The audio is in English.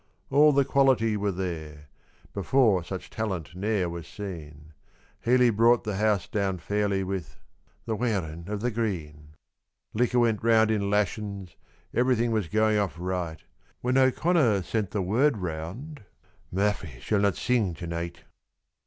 All the quality were there; before such talent ne'er was seen; Healy brought the house down fairly with "The Wearin' o' the Green." Liquor went around in lashins, everything was going off right, When O'Connor sent the word round, "Murphy shall not sing to night."